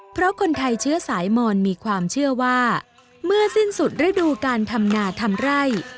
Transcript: เพราะคนไทยเชื้อสายมอนมีความเชื่อว่าเมื่อสิ้นสุดฤดูการทำนาทำไร่